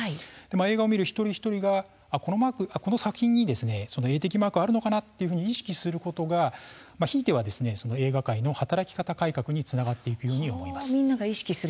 映画を見る一人一人がこの作品に映適マークがあるのかなと意識することが、ひいては映画界の働き方改革につながっていくように思います。